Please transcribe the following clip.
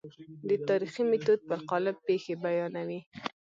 د تاریخي میتود پر قالب پېښې بیانوي.